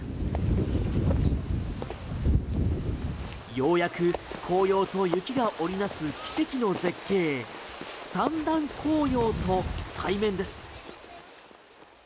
ようやく紅葉と雪が織りなす奇跡の絶景、三段紅葉と対面です。